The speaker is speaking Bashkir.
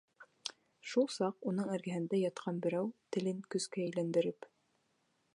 Шул саҡ уның эргәһендә ятҡан берәү телен көскә әйләндереп: